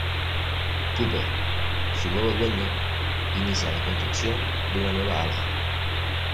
Cooper, su nuevo dueño, inicia la construcción de una nueva ala.